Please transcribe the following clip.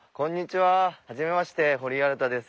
はじめまして堀井新太です。